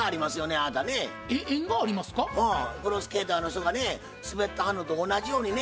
はいプロスケーターの人がね滑ってはんのと同じようにね